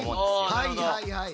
はいはいはい。